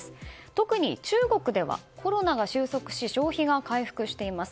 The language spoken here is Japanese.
特に、中国ではコロナが収束し消費が回復しています。